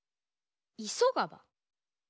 いそがば？